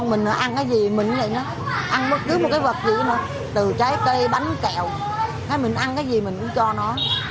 mình ăn cái gì mình cũng cho nó